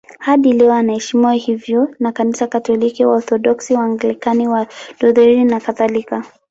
Hadi leo anaheshimiwa hivyo na Kanisa Katoliki, Waorthodoksi, Waanglikana, Walutheri nakadhalika.